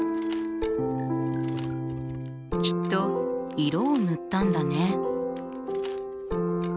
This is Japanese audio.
きっと色を塗ったんだね。